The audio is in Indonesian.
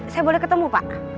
saya boleh ketemu pak